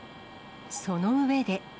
その上で。